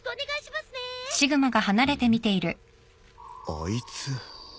あいつ。